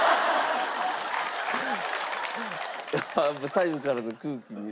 左右からの空気に。